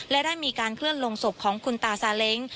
และได้มีการเคลื่อนลงศพของคุณตาซาเล้ง